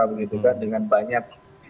begitulah dengan banyak